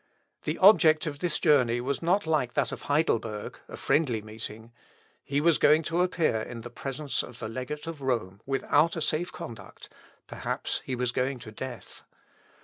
The object of this journey was not like that of Heidelberg, a friendly meeting. He was going to appear in presence of the legate of Rome without a safe conduct; perhaps he was going to death.